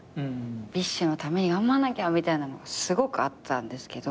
ＢｉＳＨのために頑張んなきゃみたいなのがすごくあったんですけど。